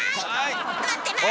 待ってます。